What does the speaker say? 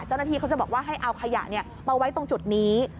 เจ้าหน้าที่เขาจะบอกว่าให้เอาขยะมาไว้ตรงจุดนี้